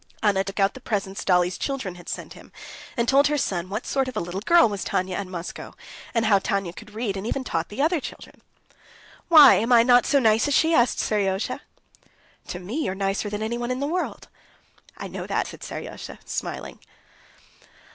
Anna took out the presents Dolly's children had sent him, and told her son what sort of little girl was Tanya at Moscow, and how Tanya could read, and even taught the other children. "Why, am I not so nice as she?" asked Seryozha. "To me you're nicer than anyone in the world." "I know that," said Seryozha, smiling.